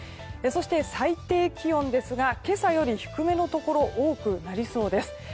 そして、最低気温ですが今朝より低めのところ多くなりそうです。